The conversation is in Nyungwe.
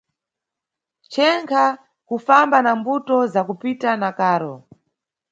Chenkha kufamba na mbuto za kupita na karo.